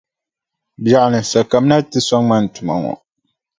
Biɛɣuni sa kamina nti sɔŋ ma ni n tuma ŋɔ.